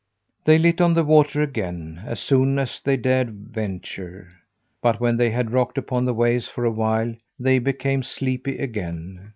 They lit on the water again, as soon as they dared venture. But when they had rocked upon the waves for a while, they became sleepy again.